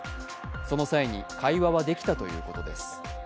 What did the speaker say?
その際に会話はできたということです。